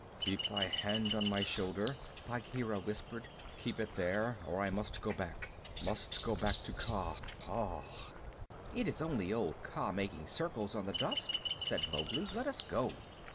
"Keep thy hand on my shoulder," Bagheera whispered. "Keep it there, or I must go back must go back to Kaa. Aah!" "It is only old Kaa making circles on the dust," said Mowgli. "Let us go."